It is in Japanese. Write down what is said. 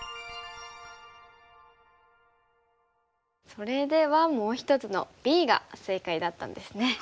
それではもう一つのＢが正解だったんですね。